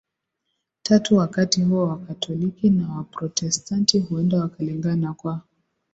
tatu Wakati huo Wakatoliki na Waprotestanti huenda wakalingana kwa